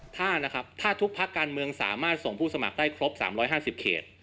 ถ้านะครับถ้าทุกพักการเมืองสามารถส่งผู้สมัครได้ครบ๓๕๐เขต